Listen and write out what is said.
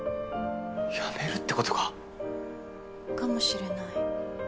辞めるってことか？かもしれない。